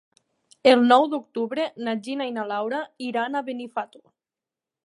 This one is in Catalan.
El nou d'octubre na Gina i na Laura iran a Benifato.